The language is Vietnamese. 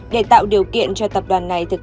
để tạo điều kiện cho tập đoàn này